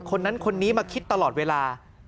คนนั้นคนนี้มาคิดตลอดเวลา